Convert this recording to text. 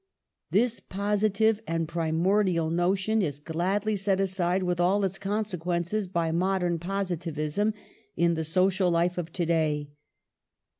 This positive and primordial notion is gladly set aside, with all its consequences, by modern positivism, in the social life of today.